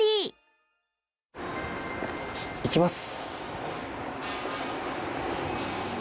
いきます。